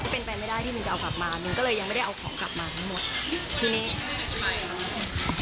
เป็นไปไม่ได้ที่มินจะเอากลับมามินก็เลยยังไม่ได้เอาของกลับมาทั้งหมดทีนี้ใช่ค่ะ